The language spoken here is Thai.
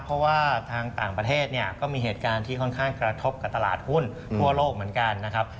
เพราะว่าทางต่างประเทศเนี่ยก็มีเหตุการณ์ที่ค่อนข้างกระทบกับตลาดหุ้นทั่วโลกเหมือนกันนะครับ